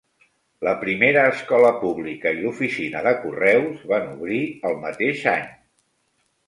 La primera escola pública i l'oficina de correus van obrir el mateix any.